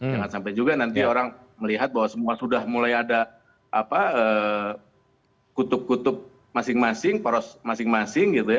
jangan sampai juga nanti orang melihat bahwa semua sudah mulai ada kutub kutub masing masing poros masing masing gitu ya